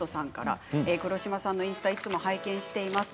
黒島さんのインスタいつも拝見しています。